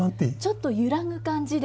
ちょっと揺らぐ感じで。